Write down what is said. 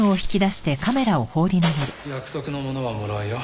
約束のものはもらうよ。